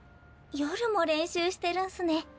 夜も練習してるんすね。